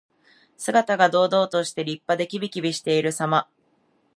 姿が堂々として、立派で、きびきびしているさま。